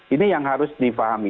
ini yang harus difahami